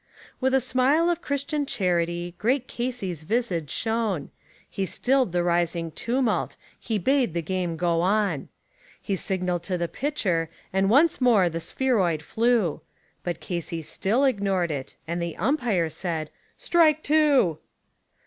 With a smile of Christian charity great Casey's visage shone; He stilled the rising tumult; he bade the game go on; He signaled to the pitcher, and once more the spheroid flew, But Casey still ignored it; and the umpire said, "Strike two."